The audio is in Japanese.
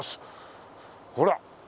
ほら。